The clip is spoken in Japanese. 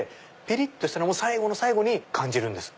ピリっとしたのも最後の最後に感じるんです。